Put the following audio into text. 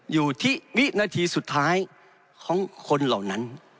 อยู่ที่วินาทีสุดท้ายของคนเหล่านั้น